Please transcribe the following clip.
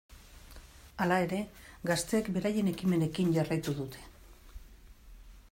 Hala ere, gazteek beraien ekimenekin jarraitu dute.